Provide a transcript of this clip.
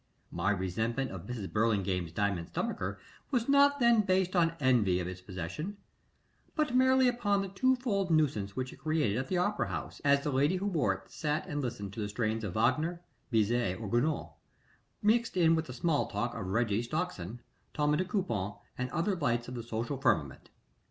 My resentment of Mrs. Burlingame's diamond stomacher was not then based on envy of its possession, but merely upon the twofold nuisance which it created at the opera house, as the lady who wore it sat and listened to the strains of Wagner, Bizet, or Gounod, mixed in with the small talk of Reggie Stockson, Tommie de Coupon, and other lights of the social firmament.